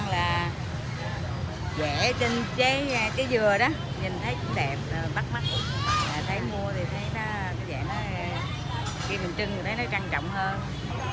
là dễ trên trái cái dừa đó nhìn thấy cũng đẹp bắt mắt thấy mua thì thấy nó dễ khi mình trưng thấy nó trang trọng hơn